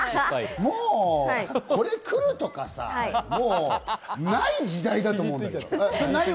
もうさ、これ来るとかさ、ない時代だと思うんだけど。